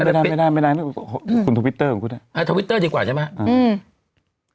ไม่ได้ไม่ได้ไม่ได้ไม่ได้คุณทวิตเตอร์ของกูได้เออทวิตเตอร์ดีกว่าใช่ไหม